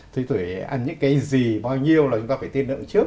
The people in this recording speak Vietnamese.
thì tuổi ấy ăn những cái gì bao nhiêu là chúng ta phải tiên lượng trước